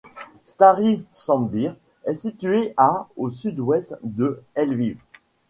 Stary Sambir est située à au sud-ouest de Lviv.